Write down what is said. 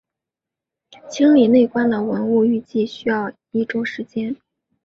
清理内棺的文物预计需要一周时间。